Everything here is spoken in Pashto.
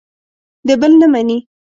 د بل نه مني.